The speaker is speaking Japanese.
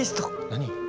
何？